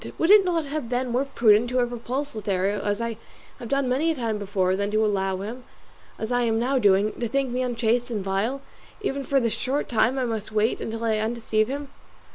would it not have been more prudent to have repulsed Lothario, as I have done many a time before, than to allow him, as I am now doing, to think me unchaste and vile, even for the short time I must wait until I undeceive him?